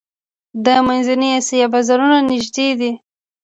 د منځنۍ اسیا بازارونه نږدې دي